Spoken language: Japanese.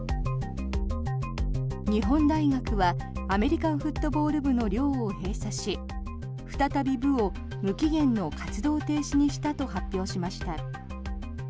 日本大学はアメリカンフットボール部の寮を閉鎖し再び部を無期限の活動停止にしたと発表しました。